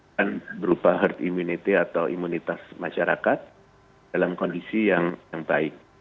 dan berupa herd immunity atau imunitas masyarakat dalam kondisi yang baik